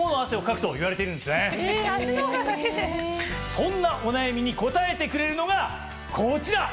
そんなお悩みに答えてくれるのがこちら！